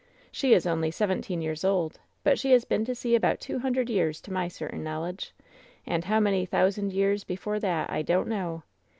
"She is only seventeen years old, but she has been to sea about two hundred years to my certain knowledge! And how many thousand years before that I don't know!